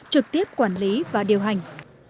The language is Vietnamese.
trực tiếp quản lý và điều hành